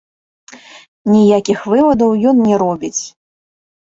Ніякіх вывадаў ён не робіць.